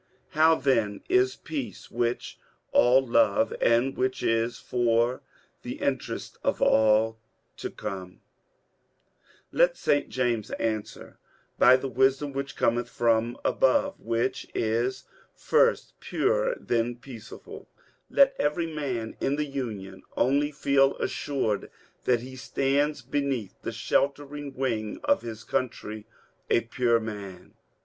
... How, then, is Peace, which all love, and which is for the interest of all, to come ? Let St. James answer : By the wisdom which cometh from above, which is ^^ first pure, then peaceable." Let every man in the Union only feet assured that he stands beneath the sheltering wing of his country a pure man.